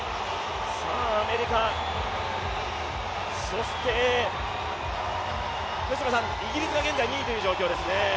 アメリカ、そしてイギリスが現在２位という状況ですね。